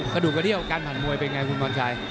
ขดุกระเรี่ยวการผ่านมวยเป็นไงคุณมอนชัย